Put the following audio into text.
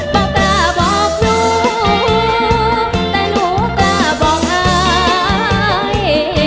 บอกตาบอกรู้แต่หนูตาบอกอาย